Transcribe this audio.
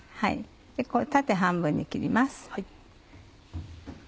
縦半分に切ります。